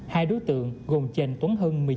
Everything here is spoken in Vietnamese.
hai đối tượng gồm trần tuấn hưng